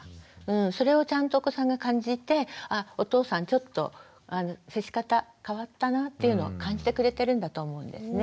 それをちゃんとお子さんが感じてお父さんちょっと接し方変わったなっていうのを感じてくれてるんだと思うんですね。